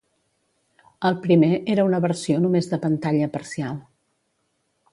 El primer era una versió només de pantalla parcial.